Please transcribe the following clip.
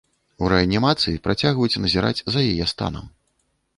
У рэанімацыі працягваюць назіраць за яе станам.